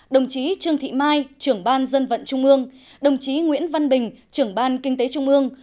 đồng chí trương thị mai trưởng ban dân vận trung ương đồng chí nguyễn văn bình trưởng ban kinh tế trung ương